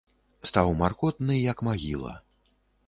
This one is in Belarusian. Стаў маркотны, як магіла.